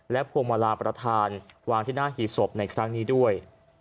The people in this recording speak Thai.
พวงมาลาประธานวางที่หน้าหีบศพในครั้งนี้ด้วย